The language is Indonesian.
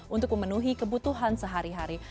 untuk memenuhi kebutuhan sehari hari